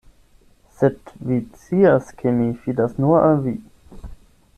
Sed vi scias, ke mi fidas nur al vi.